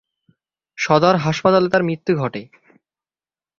সদর হাসপাতালে তার মৃত্যু ঘটে।